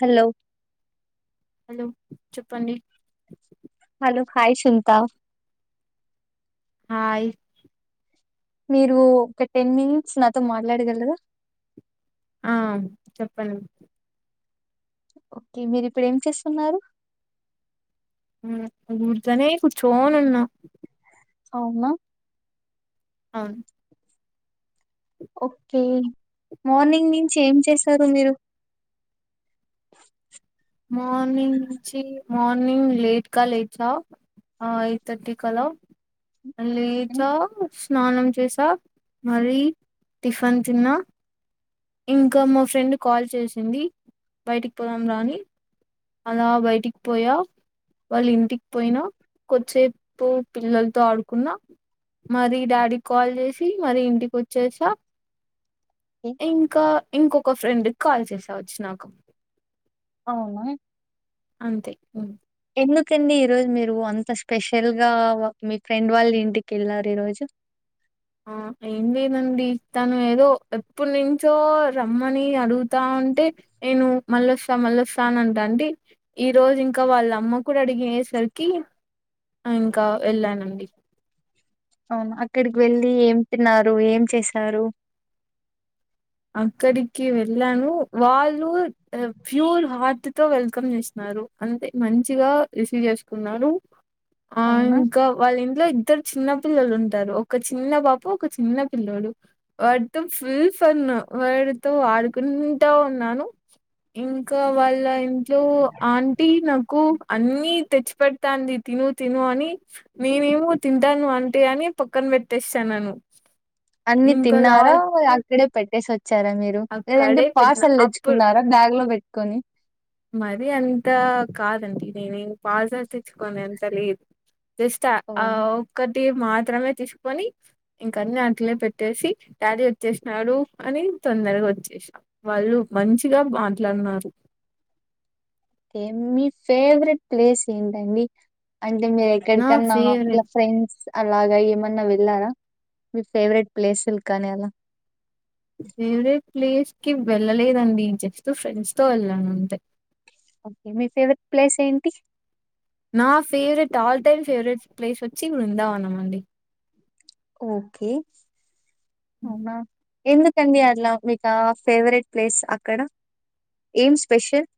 Hello hello చెప్పండి లో hi Sunitha hi మీరు ఒక టెన్ మినిట్స్ నాతో మాట్లాడగలరా ఆ చెప్పం ఓకే మీరు ఇప్పుడు ఏం చేస్తున్నారు? ఉర్కే కూర్చోని ఉన్నా అవునా అవును ఓకే మార్నింగ్ నుంచి ఏం చేశారు మీరు? మార్నింగ్ నుంచి మార్నింగ్ లేట్గా లేచా ఎయిట్ థర్టీ కి అలా లేచా ఫ్ స్నానం చేసా మరి టిఫిన్ తిన్నా ఇంకా మా ఫ్రెండ్ కాల్ చేసింది బయటికి పోదాం రాని అలా బయటికి పోయా వాళ్ళు ఇంటికి పోయినా కొద్దిసేపు పిల్లలతో ఆడుకున్న మరి డాడీ కాల్ చేసి మరి ఇంటికి వచ్చేసా ఓకే ఇంకా ఇంకొక ఫ్రెండ్ కి కాల్ చేసా వచ్చినాక అవునా అంతే ఉమ్ ఎందుకండి ఈరోజు మీరు అంత స్పెషల్ గా మీ ఫ్రెండ్ వాళ్ళింటికి వెళ్లారు ఈరోజు ఆ ఏం లేదండి తను ఏదో ఎప్పుటినుంచో రమ్మని అడుగుతా ఉంటే నేను మళ్ళొస్తా మళ్ళొస్తా అని అంటా ఉంటి ఈ రోజు ఇంకా వాళ్ళమ్మ కూడా అడిగేసరికి ఇంక వెళ్ళానండి అవును అక్కడికి వెళ్ళి ఏం తిన్నారు ఏం చేశారు అక్కడికి వెళ్ళాను వాళ్ళు ప్యూర్ హార్ట్ తో వెల్కమ్ చేసినారు అంటే మంచిగా రిసీవ్ చేసుకున్నారు ఆ అవునా ఇంకా వాళ్ళింట్లో ఇద్దరు చిన్న పిల్లలు ఉంటారు ఒక చిన్న పాప ఒక చిన్న పిల్లోడు వాడితో ఫుల్ తన్ను వాడితో ఆడుకుంటా ఉన్నాను ఇంకా వాళ్ళ ఇంట్లో ఆంటీ నాకు అన్నీ తెచ్చి పెడతాంది తిను తిను అని నేనేమో తింటాను అంటే అని పక్కన పెట్టేస్తాన్నాను అన్ని ఇంకా తిన్నారా లాస్ట్ ఆక్కడే పెట్ టేసో చ్చారా మీరు లేదంటే అక్కడే పెట్టిన పార్సల్ అప్పుడు తెచ్చుకున్నారా బ్యాగ్ లో పెట్టుకొని మరీ అంత కాదండి నేనేం పార్సల్ తెచ్చుకోని ఎంత లేదు తెస్తా ఆ అవునా ఒకటి మాత్రమే తీసుకొని ఇంకన్నీ అట్లే పెట్టేసి డాడీ వచ్చేసినాడు అని తొందరగా వచ్చేసా వాళ్ళు మంచిగా మాట్లాడినారు తే మీ ఫేవరెట్ ప్లేస్ ఏంటండి అంటే మీరు నా ఎక్కడికన్నా ఇలా ఫేవరెట్ ఫ్రెండ్స్ అలాగ ఏమన్నా వెళ్ళారా మీ ఫేవరెట్ ప్లేసులు కానీ అలా ఫేవరేట్ ప్లేస్ కి వెళ్ళలేదండి [inaudible] ఫ్రెండ్స్ తో వెళ్ళాను అంతే ఓకే మీ ఫేవరెట్ ప్లేస్ ఏంటి నా favourite all time favourite place వచ్చి వృందావనం అండి ఓకే అవునా ఎందుకండి అట్లా మీకా ఫేవరెట్ ప్లేస్ అక్కడ ఏం స్పెషల్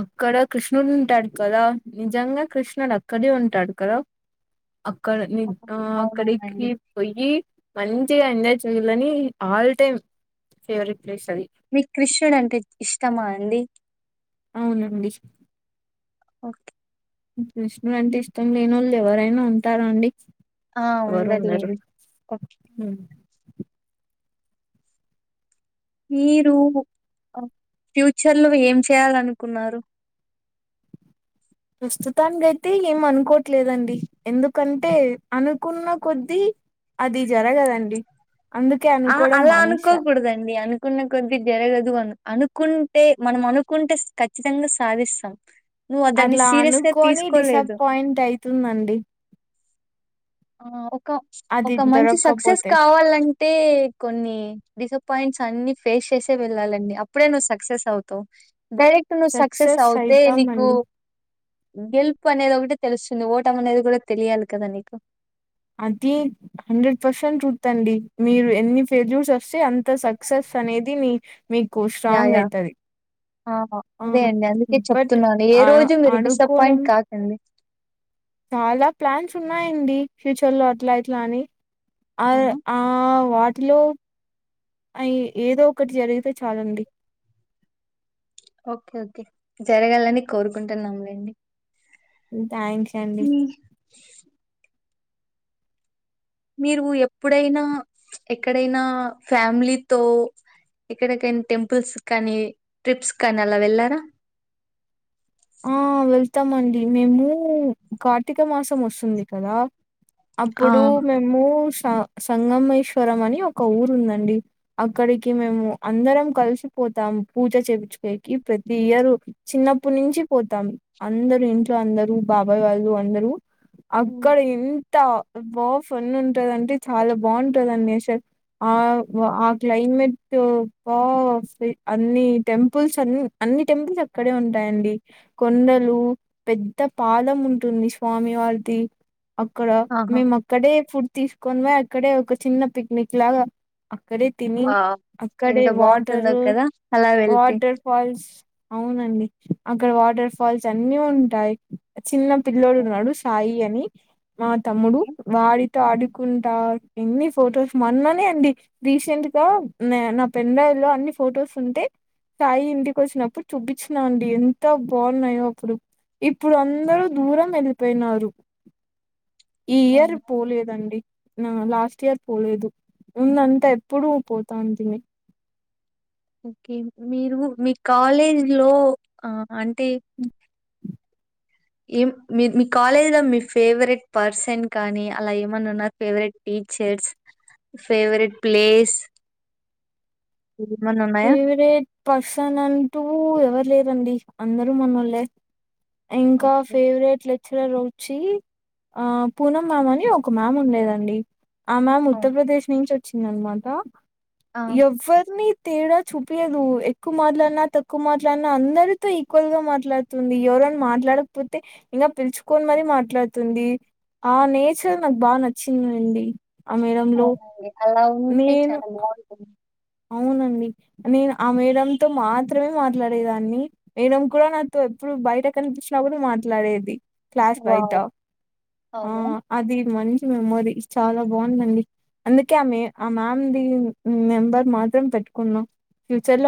అక్కడ కృష్ణుడు ఉంటాడు కదా నిజంగా కృష్ణుడు అక్కడే ఉంటాడు కదా అక్కడ ని ఆ అవును. అక్కడికి అవునవునండి. పోయ్యి మంచిగా ఎంజాయ్ చెయ్యాలని ఆల్ టైమ్ ఫేవరెట్ ప్లేస్ అది మీకు కృష్ణుడు అంటే ఇష్టమా అండి అవునండి ఓకే కృష్ణుడంటే ఇష్టం లేనోళ్ ఎవరైనా ఉంటారా అండి ఆ ఎవరు ఉండరు ఉండదిలేదు [inaudible] హ్మ్. మీరు ఫ్యూచర్ లో ఏం చేయాలనుకున్నారు ప్రస్తుతానికి అయితే ఏం అనుకోవట్లేదండి ఎందుకంటే అనుకున్న కొద్దీ అది జరగదండి అందుకే ఆ అనుకోవడం అలా మానేసా అనుకోకూడదండి అను అనుకున్న కొద్ది జరగదు అని అనుకుంటే మనం అనుకుంటే ఖచ్చితంగా సాధిస్తాం నువ్వు దాన్ని అట్లా సీరియస్ గా అనుకొని తీసుకోలేదు డిసప్పాయింట్ అయితుందండి ఆఒ అది ఒక మంచి సక్సెస్ దొరక్కపోతే కావాలంటే కొన్ని డిసప్పయింట్స్ అన్ని ఫేస్ చేసే వెళ్ళాలండి అప్పుడే నువ్వు సక్సెస్ అవుతావ్ డైరెక్ట్ నువ్వు సక్సెస్ అవుతే నీకు గెలుపు అనేది ఒకటే తెలుస్తుంది ఓటం అనేది కూడా తెలియాలి కదా నీకు అదే హండ్రెడ్ పర్సెంట్ ట్రూత్ అండి మీరు ఎన్ని ఫెయిల్యూస్ వస్తే అంత సక్సెస్ అనేది నీ యాయా ఆ ఆ అదే అండి అందుకే బట్ చెప్తున్నాను ఏ ఆ రోజు మీరు అనుకోవడం డిసప్పాయింట్ కాకండి చాలా ప్లాన్స్ ఉన్నాయండి ఫ్యూచర్ లో అట్లా ఇట్లా అని ఆ అవునా ఆ వా టిలో ఏదో ఒకటి జరిగితే చాలండి ఓకే ఓకే జరగాలని కోరుకుంటున్నాంలేండి ఉ థ్యాంక్స్ అండి ఉమ్ మీరు ఎప్పుడైనా ఎక్కడైనా ఫ్యామిలీతో ఎక్కడకైనా టెంపుల్స్ కానీ ట్రిప్స్ కానీ అలా వెళ్ళారా ఆ వెళ్తామండి మేము కార్తీక మాసం వస్తుంది కదా ఆ అప్పుడు మేము స సంగమేశ్వరం అని ఒక ఊరు ఉందండి అక్కడికి మేము అందరం కలిసిపోతాము పూజ [unintelligible] ప్రతి ఇయరు చిన్నప్పటి నించి పోతాం అందరూ ఇంట్లో అందరూ బాబాయ్ వాళ్ళు అందరూ అక్కడ ఇం తా బాగ్ ఫన్ వున్ ఉంటదంటే చాలా బాంటదం ఆ ఆ క్లైమేట్ బా అన్ని టెంపుల్స్ అ అన్ని టెంపుల్స్ అక్కడే ఉంటాయండి కొండలు పెద్ద పాదం ఉంటుంది స్వామి వారిది అక్కడ ఆహా మేము అక్కడే ఫుడ్ తీసుకొని బొయ్ అక్కడే ఒక చిన్న పిక్నిక్ లాగా అక్కడే తిని వావ్ అక్కడే ఎంత బాగుంటుందో వాటరు కదా అలా వెళ్తే వాటర్ ఫాల్స్ అవునండి అక్కడ వాటర్ ఫాల్స్ అన్ని ఉంటాయ్ చిన్న పిల్లోడు ఉన్నాడు ఓకే సాయి అని మా తమ్ముడు వాడితో ఆడుకుంటా ఎన్ని ఫొటోస్ మొన్ననే అండి రీసెంట్ గా నా పెళ్లియలో అన్ని ఫొటోస్ ఉంటే సాయి ఇంటికి వచ్చినప్పుడు చూపించినా అండి. ఎంత బాగున్నాయో అప్పుడు ఇప్పుడు అందరూ దూరంగా వెళ్ళిపోయినారు. ఈ ఇయర్ అవునా పోలేదండి, నా లాస్ట్ ఇయర్ పోలేదు ఉందంతా ఎప్పుడు పోతా అనుకున్ని ఓకే మీరు మీ కాలేజ్ లో ఆ అంటే ఏం మీ మీ కాలేజ్ లో మీ ఫేవరెట్ పర్సన్ కానీ అలా ఏమన్నా ఉన్నారు, ఫేవరెట్ టీచర్స్, ఫేవరెట్ ప్లేస్ ఏమన్నా ఉన్నాయా ఫేవరెట్ పర్సన్ అంటూ ఎవరు లేరు, అండీ అందరూ మన్నోలే, ఇంకా ఓకే ఫేవరెట్ లె ఇటు సైడ్ వచ్చి పూనం మ్యామ్ అని ఒక మ్యామ్ ఉండేదండి. ఆ మ్యామ్ అవును ఉత్తరప్రదేశ్ నుంచి వచ్చిందనమాట, ఆ యవ్వర్ని, తేడా చూపించదు ఎక్కువ మాట్లాడినా తక్కువ మాట్లాడినా అందరితో, ఈక్వల్ గా మాట్లాడుతుంది ఎవరైనా మాట్లాడకపోతే ఇంకా పిలుచుకొని మరి మాట్లాడుతుంది ఆ నేచర్ నాకు బాగా నచ్చిందండి. ఆ మేడమ్ లో అవునండి. అలా ఉంటే చాలా బాగుంటుంది. అవునండి నేను ఆ మేడంతో మాత్రమే మాట్లాడేదాన్ని, మేడం కూడా నాతో ఎప్పుడు బయట కనిపించినప్పుడు మాట్లాడేది. క్లాస్ బయట వావ్! ఆ అవును. అది మంచి మెమోరీస్ చాలా బాగుందండి, అందుకే ఆ మ ఆ మ్యామ్ ది నెంబర్, మాతోని పెట్టుకున్నాం,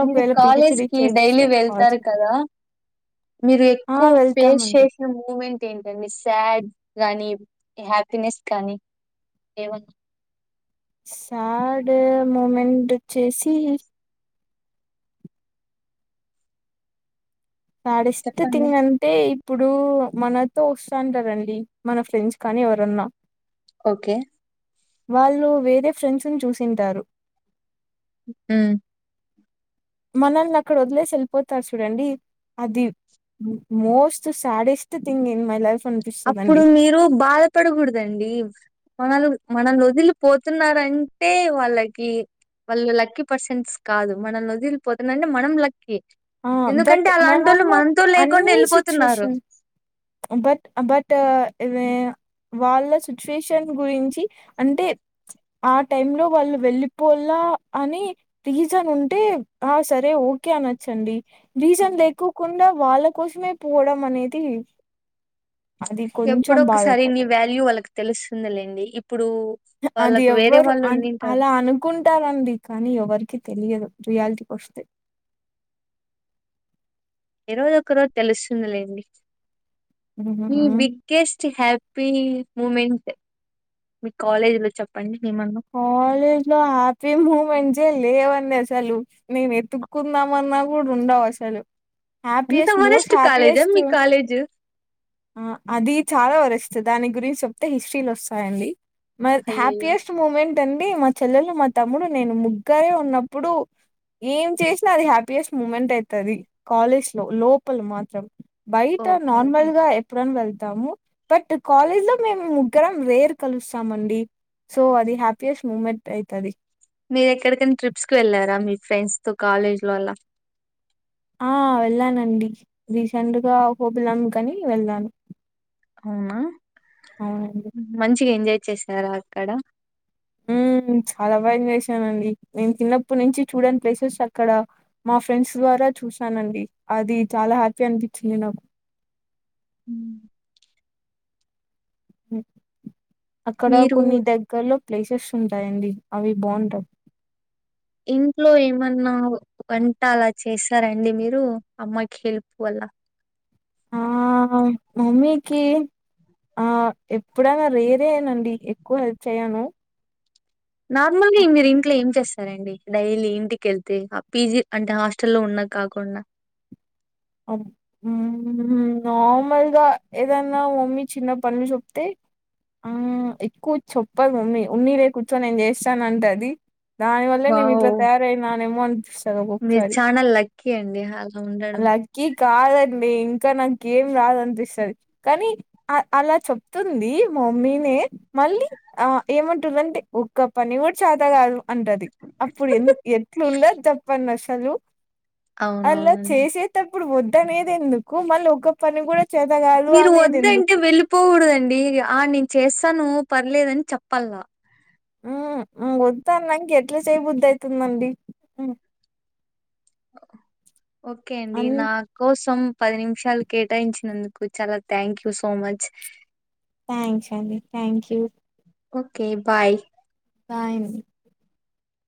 మీరు కాలేజ్ కి డైలీ కాల్ వెళ్తారు చేయండి. కదా మీరు ఆ! ఎక్కువ ఫేస్ వెళ్తామండి. చేసిన మూమెంట్ ఏంటండి శాడ్ గాని, హ్యాపీనెస్ కానీ ఏమన్నా, సార్డ్ మూమెంట్ వచ్చేసి, సడెష్ట చెప్పండి. తింగ్ అంటే, ఇప్పుడు మనతో వస్తాంటారండి మన ఫ్రెండ్స్ కానీ ఎవరన్నా, ఓకే వాళ్ళు వేరే ఫ్రెండ్స్ను చూసింటారు. ఉ మనల్ని అక్కడ వదిలేసి వెళ్ళిపోతారు చూడండి అది most saddest thing in my life, అప్పుడు అనిపిస్తదండి మీరు బాధపడకూడదండి వాళ్ళు మనల్ని వదిలిపోతున్నారంటే వాళ్ళకి వాళ్ళు లక్కీ పర్సెంట్స్ కాదు మనల్ వదిలిపోతున్నంటే మనం లక్కీ, బట్ ఎందుకంటే అలాంటోళ్ళు మనము మనతో లేకుండా అన్ని ఎళ్ళిపోతున్నారు. సిచ్యుయేషన్ బట్ బట్ వాళ్ళ సిచ్యుయేషన్ గురించి అంటే ఆ టైమ్ లో వాళ్ళు వెళ్ళిపోల అని రీజన్ ఉంటే ఆ సరే ఓకే అనచ్చ, చండి. రీజన్ అవును. లేకోకుండా వాళ్ళ కుష్మే పోవడమనేది ఎప్పుడొ ఒకసారి నీ వాల్యూ వాళ్ళకి తెలుస్తుందిలేండి. ఇప్పుడు అది వాళ్ళకు వేరే ఎవ్వరు వాళ్ళు అ ఉండింటారు అలా అనుకుంటారండి కానీ ఎవరికి తెలియదు రియాలిటీకి వస్తే. ఏ రోజు ఒక రోజు తెలుస్తుందిలేండి. మీ ఉహుహు. బిగ్గెస్ట్ ంచి హ్యాపీ మూమెంట్ మీ కాలేజీ లో చెప్పండి. ఏమన్నా కాలేజ్ లో హ్యాపీ మూమెంట్సే లేవండి అసలు నేను ఎతుక్కుందామన్నా కూడా ఉండవు అసలు. అంత హ్యాపీయెస్ట్ మోస్ట్ వరస్ట్ కాలేజా హ్యాపీయెస్ట్ మీ కాలేజ్ ఆ అది చాలా వరస్ట్. దాని గురించి చెప్తే హిస్టరీలు వస్తాయండి. మరి అయ్యయ్యో హ్యాపీయెస్ట్ మూమెంట్ అండి మా చెల్లెలు, మా తమ్ముడు, నేను ముగ్గరే ఉన్నప్పుడు ఏం చేసినా అది హ్యాపీయెస్ట్ మూమెంట్ అయితది కాలేజ్ లో లోపల మాత్రం. బయట ఓకే ఓకే నార్మల్ గా ఎప్పుడనా వెళ్ తము. బట్ కాలేజ్ లో మేము ముగ్గురం రేరు కలుస్తామండి. సో అది హ్యాపీయెస్ట్ మూమెంట్ అయితది. మీరు ఎక్కడికైనా ట్రిప్స్ కి వెళ్ళారా మీ ఫ్రెండ్స్ తో కాలేజ్లో అలా. ఆ వెళ్ళానండి రీసెంట్గా ఆహోబిలం కని వెళ్ళాను. అవునా అవునండి మంచిగా ఎంజాయ్ చేస్తారా అక్కడ. ఉ చాలా బాఎంజాయ్ చేశానండి. నేను చిన్నప్పటి నుంచి చూడని ప్లేసెస్ అక్కడ మా ఫ్రెండ్స్ ద్వారా చూసానండి. అది చాలా హ్యాపీ అనిపించింది నాకు. మ్మ్. హ్ అక్కడ మీరు కొన్ని దగ్గర్లో ప్లేసెస్ ఉంటాయండి అవి బాఉంటయి. ఇంట్లో ఏమన్నా వంట అలా చేసారండి మీరు అమ్మకి హెల్ప్ అలా. ఆ మమ్మీకి ఆ ఎప్పుడైనా రేరేనండి. ఎక్కువ హెల్ప్ చేయను. నార్మల్గా అ మీరు ఇంట్లో ఏం చేస్ సరేండి డైలీ ఇంటికేళ్తే ఆ పీజీ అంటే హాస్టల్ల్లో ఉన్నవి కాకుండా. [inaudible] నార్మల్గా ఏదన్నా మమ్మీ చిన్న పనులు చెప్తే, ఆ ఎక్కువ చెప్పదు మమ్మీ. ఉన్లే కూర్చో నేను చేస్తా అంటది. దాని వల్లే నేను వావ్ ఇట్లా తయారయినా నేమో అనిపిస్తది ఒకొక్కసారి. క్కి అండి. [inaudible] లక్కీ కాదండి. ఇంకా నాకు ఏం రాదు అనిపిస్తది. కానీ అ అలా చెప్తుంది మా మమ్మీనే మళ్ళీ ఆ ఏమంటుందంటే ఒక్క పని కూడా చాత కాదు. అంటది అప్పుడు ఎంత ఎట్లు ఉంటది చెప్పండి అసలు. హలో అవునవును చేసేతప్పుడు వద్ అనేది ఎందుకు మళ్ళీ ఒక పని కూడా చేత కాదు మీరు అనేది వద్దంటే ఎందుకు వెళ్ళిపోకూడదండి ఆ నేను చేస్తా తను పర్లేదని చెప్పాల ఉ ఉ వద్దా అన్నక ఎట్లా చేయబుద్ధి అవుతుందండి [inaudible] ఓకే అండి అన్ నా కోసం పది నిమిషాలు కేటాయించినందుకు చాలా thank you so much thanks అండి thank you okay bye bye an